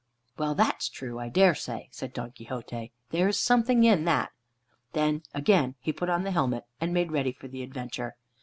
"Well, that's true, I dare say," said Don Quixote. "There's something in that." Then again he put on the helmet, and made ready for the adventure.